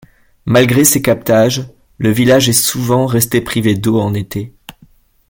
Malgré ces captages, le village est souvent resté privé d'eau en été.